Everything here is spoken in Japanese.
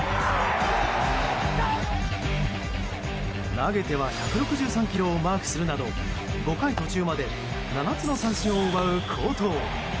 投げては１６３キロをマークするなど５回途中まで７つの三振を奪う好投。